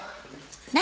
何？